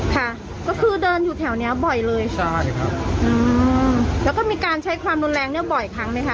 ค่ะก็คือเดินอยู่แถวเนี้ยบ่อยเลยใช่ครับอืมแล้วก็มีการใช้ความรุนแรงเนี้ยบ่อยครั้งไหมคะ